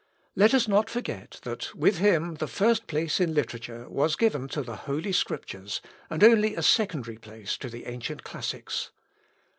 Let us not forget, that with him the first place in literature was given to the Holy Scriptures, and only a secondary place to the ancient classics.